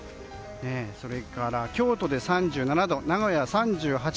それから、京都で３７度名古屋は３８度。